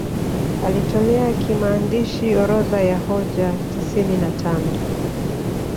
Alitolea kimaandishi orodha ya hoja tisini na tano